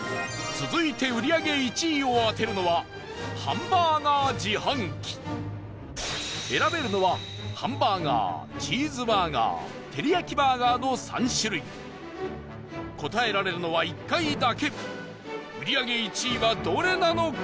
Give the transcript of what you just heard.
続いて売り上げ１位を当てるのは選べるのはハンバーガー、チーズバーガーテリヤキバーガーの３種類答えられるのは、１回だけ売り上げ１位はどれなのか？